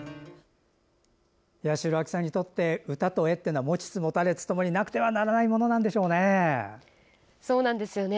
八代亜紀さんにとって歌と絵というのは持ちつ持たれつともになくてはならないものなんでしょうね。